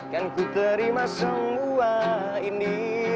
kan ku terima semua ini